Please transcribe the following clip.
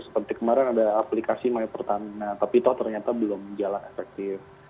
seperti kemarin ada aplikasi mypertamina tapi toh ternyata belum jalan efektif